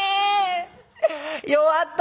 弱った」。